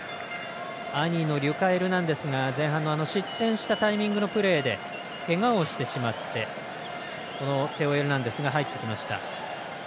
兄のリュカ・エルナンデスが前半の失点したタイミングのプレーでけがをしてしまってこのテオ・エルナンデスが入ってきました。